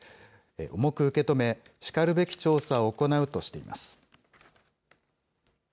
重く受け止め、しかるべき調査を行うとしています。